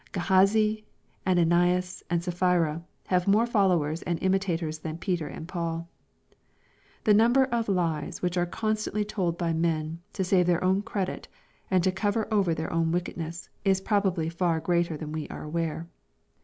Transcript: Gehazi, Ananias, and Sapphira have more followers and imitators than Peter and Paul. The number of lies which are constantly told by men, to save their own credit, and to cover over their own wickedness, is probably far greater than we are aware.